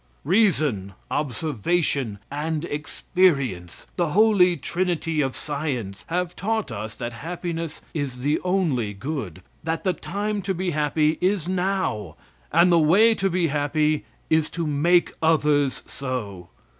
Reason, Observation and Experience the Holy Trinity of Science have taught us that happiness is the only good; that the time to be happy is now, and the way to be happy is to make others so.